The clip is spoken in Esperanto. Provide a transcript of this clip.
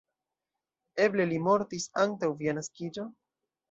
Eble li mortis antaŭ via naskiĝo?